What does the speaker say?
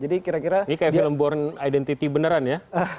ini seperti film born identity beneran ya